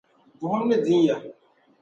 buɣim ni din ya.